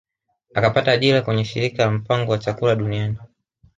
Akapata ajira kwenye shirika la mpango wa chakula duniani